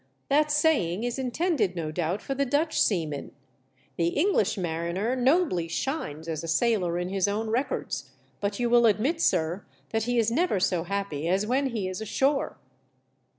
" That saying is intended no doubt for the Dutch seamen ; the English mariner nobly shines as a sailor in his own records, but you will admit, sir, that he is never so happy as when he is ashore."